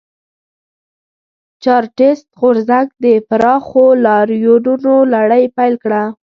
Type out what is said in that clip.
چارټېست غورځنګ د پراخو لاریونونو لړۍ پیل کړه.